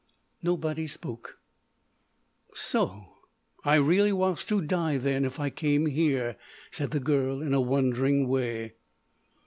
Nobody spoke. "So—I really was to die then, if I came here," said the girl in a wondering way.